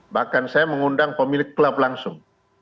bahkan saya mengundang pemilik klub langsung